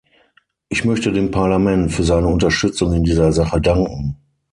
Ich möchte dem Parlament für seine Unterstützung in dieser Sache danken.